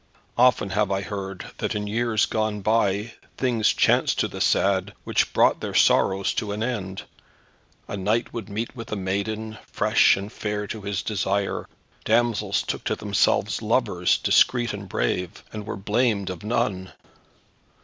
Often have I heard that in years gone by things chanced to the sad, which brought their sorrows to an end. A knight would meet with a maiden, fresh and fair to his desire. Damsels took to themselves lovers, discreet and brave, and were blamed of none.